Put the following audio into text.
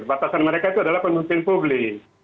batasan mereka itu adalah pemimpin publik